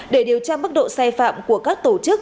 để điều tra mức độ sai phạm của các tổ chức